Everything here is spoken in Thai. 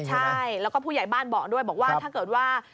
ใช่แล้วก็ผู้ใหญ่บ้านบอกด้วยบอกว่าถ้าเกิดว่า